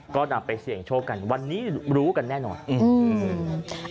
ก็นำไปเสี่ยงโชคกันวันนี้รู้กันแน่นอนอืม